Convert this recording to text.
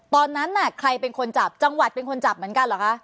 ตอนนั้นน่ะใครเป็นคนจับจังหวัดเป็นคนจับเหมือนกันเหรอคะ